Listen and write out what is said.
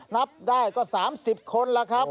นับได้ก็๓๐คนแล้วครับ